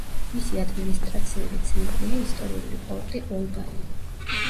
მისი ადმინისტრაციული ცენტრია ისტორიული პორტი ოლბანი.